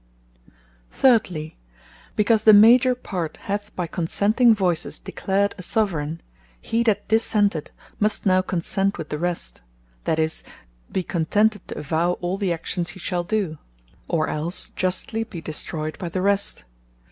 Thirdly, because the major part hath by consenting voices declared a Soveraigne; he that dissented must now consent with the rest; that is, be contented to avow all the actions he shall do, or else justly be destroyed by the rest.